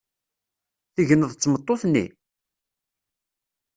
Tegneḍ d tmeṭṭut-nni?